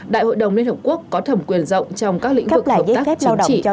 đại hội đồng liên hợp quốc có thẩm quyền rộng trong các lĩnh vực hợp tác chính trị